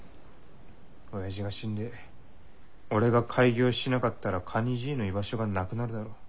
親父が死んで俺が開業しなかったらカニ爺の居場所がなくなるだろ。